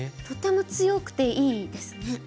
とても強くていいですね。